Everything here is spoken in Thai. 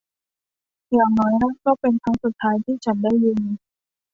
อย่างน้อยนั่นก็เป็นครั้งสุดท้ายที่ฉันได้ยิน